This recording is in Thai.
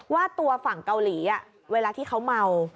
ว่าตัวฝั่งเกาหลีเวลาที่เขาเมา